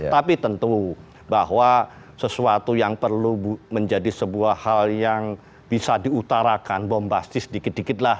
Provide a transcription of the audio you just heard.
tapi tentu bahwa sesuatu yang perlu menjadi sebuah hal yang bisa diutarakan bombastis dikit dikit lah